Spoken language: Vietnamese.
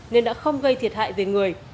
nên đã không gây thiệt hại về người